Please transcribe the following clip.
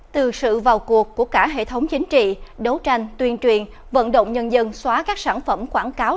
từ sự vào cuộc của cả hệ thống chính trị đấu tranh tuyên truyền vận động nhân dân xóa các sản phẩm quảng cáo